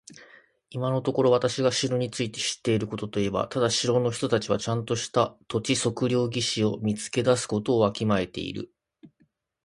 今のところ私が城について知っていることといえば、ただ城の人たちはちゃんとした土地測量技師を見つけ出すことをわきまえているということだけだ。